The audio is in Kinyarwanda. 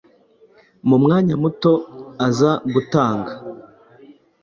mu mwanya muto aza gutanga.